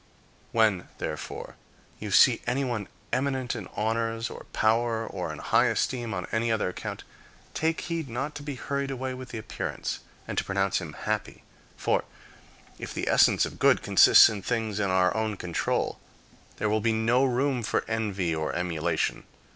When, therefore, you see anyone eminent in honors, or power, or in high esteem on any other account, take heed not to be hurried away with the appearance, and to pronounce him happy; for, if the essence of good consists in things in our own control, there will be no room for envy or emulation.